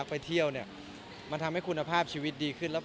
เพราะทุกวันนี้ก็ดีอยู่แล้ว